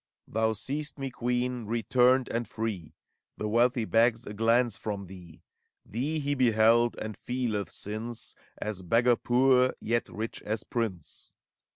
Thou seest me, Queen, returned and free! The wealthy begs a glance from thee: Thee he beheld, and feeleth, since. As beggar poor, yet rich as prince.